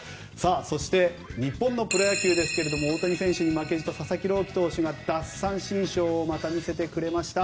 そして、日本のプロ野球ですが大谷選手に負けじと佐々木朗希投手が奪三振ショーをまた見せてくれました。